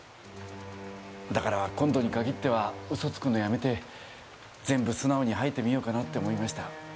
だから今度に限っては嘘つくのやめて全部素直に吐いてみようかなって思いました。